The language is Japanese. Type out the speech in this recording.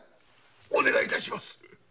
お願い致します。